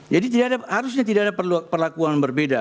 jadi harusnya tidak ada perlakuan berbeda